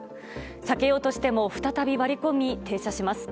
避けようとしても再び割り込み停車します。